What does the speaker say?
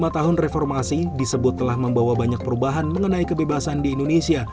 lima tahun reformasi disebut telah membawa banyak perubahan mengenai kebebasan di indonesia